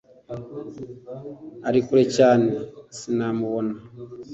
ari kure cyane sinamubona